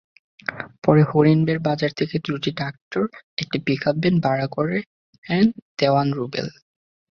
পরে হরিণবেড় বাজার থেকে দুটি ট্রাক্টর, একটি পিকআপভ্যান ভাড়া করেন দেওয়ান রুবেল।